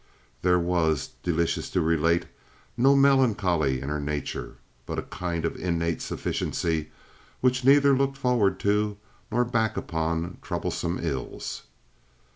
There was, delicious to relate, no melancholy in her nature, but a kind of innate sufficiency which neither looked forward to nor back upon troublesome ills.